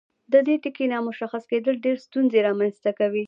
د دې ټکي نامشخص کیدل ډیرې ستونزې رامنځته کوي.